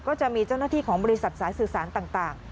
ก็จะมีเจ้าหน้าที่ของบริษัทสายสื่อสารต่าง